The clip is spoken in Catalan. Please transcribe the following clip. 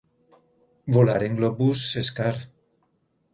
Volar en globus és car.